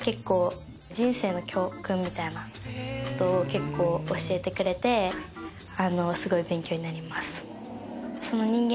結構教えてくれてすごい勉強になります。